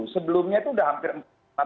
sebelumnya tuh udah hampir empat meter